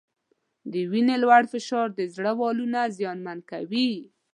د وینې لوړ فشار د زړه والونه زیانمن کوي.